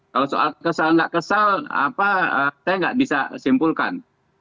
kalau soal kesal nggak kesal saya nggak bisa simpulkan